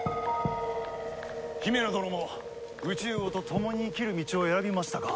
ヒメノ殿も宇蟲王と共に生きる道を選びましたか。